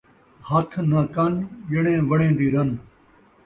ہتھ ناں کن ، ڄݨے وݨے دی رن